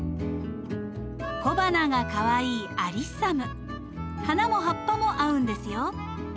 小花がかわいい花も葉っぱも合うんですよ。